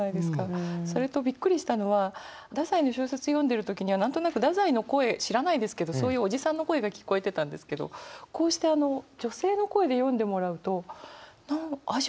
それとびっくりしたのは太宰の小説読んでる時には何となく太宰の声知らないですけどそういうおじさんの声が聞こえてたんですけどこうして女性の声で読んでもらうと味わい方が全然変わるんですよ。